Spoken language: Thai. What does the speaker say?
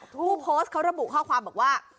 ผู้โพสต์เขาระบุข้อความบอกว่า